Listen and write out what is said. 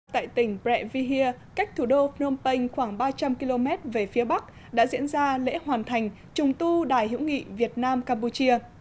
tại tỉnh brehir cách thủ đô phnom penh khoảng ba trăm linh km về phía bắc đã diễn ra lễ hoàn thành trùng tu đài hữu nghị việt nam campuchia